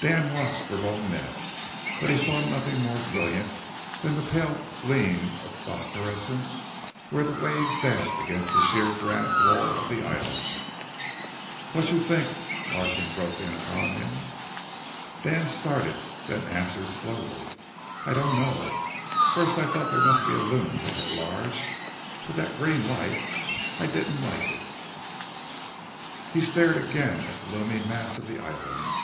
Dan watched for long minutes, but he saw nothing more brilliant than the pale gleam of phosphorescence where the waves dashed against the sheer granite wall of the island. "What you t'ank?" Larsen broke in upon him. Dan started, then answered slowly. "I don't know. First I thought there must be a lunatic at large. But that green light! I didn't like it." He stared again at the looming mass of the island.